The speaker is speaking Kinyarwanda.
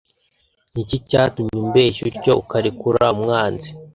ni iki cyatumye umbeshya utyo ukarekura umwanzi